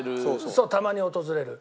そうたまに訪れる。